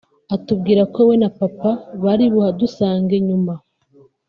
atubwira ko we na papa bari buhadusange nyuma